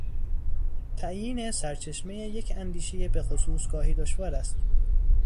تعیین سرچشمهی یک اندیشهی بخصوص گاهی دشوار است.